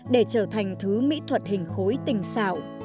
để trở thành thứ mỹ thuật hình khối tình xảo